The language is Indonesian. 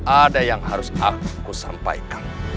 ada yang harus aku sampaikan